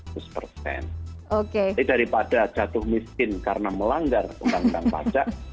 jadi daripada jatuh miskin karena melanggar undang undang pajak